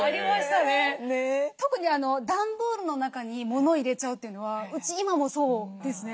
特に段ボールの中に物を入れちゃうというのはうち今もそうですね。